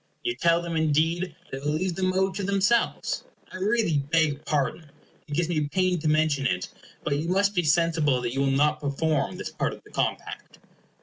You tell them, indeed, that you will leave the mode to themselves. I really beg pardon it gives me pain to mention it but you must be sensible that you will not perform this part of the compact.